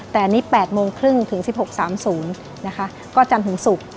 แต่อันนี้๘โมงครึ่งถึง๑๖๓๐นะคะก็จันทร์ถึงศุกร์